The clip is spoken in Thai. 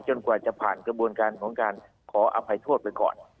กว่าจะผ่านกระบวนการของการขออภัยโทษไปก่อน